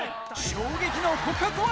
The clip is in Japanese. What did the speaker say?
衝撃の告白は